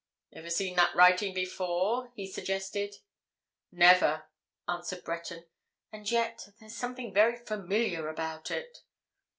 "Ever seen that writing before?" he suggested. "Never," answered Breton. "And yet—there's something very familiar about it."